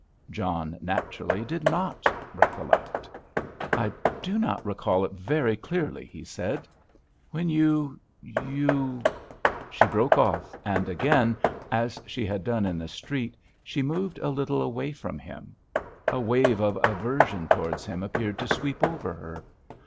John, naturally, did not recollect. "I do not recall it very clearly," he said. "When you—you——" She broke off, and again, as she had done in the street, she moved a little away from him. A wave of aversion towards him appeared to sweep over her.